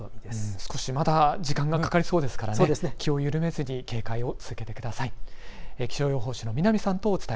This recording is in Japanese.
少しまだ時間がかかりそうですからね、気を緩めずに警戒を続けてください。